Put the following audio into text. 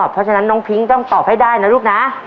เพราะฉะนั้นน้องพิ้งต้องตอบให้ได้นะลูกนะ